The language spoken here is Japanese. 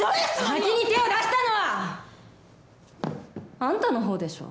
先に手を出したのは！あんたのほうでしょ。